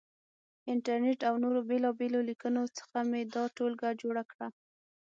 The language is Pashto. انټرنېټ او نورو بېلابېلو لیکنو څخه مې دا ټولګه جوړه کړه.